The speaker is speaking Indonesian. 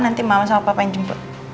nanti malam sama papa yang jemput